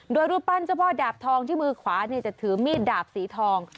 โดยรูปปั้นเจ้าพ่อดาบทองที่มือขวาจะถือมีดดาบสีทอง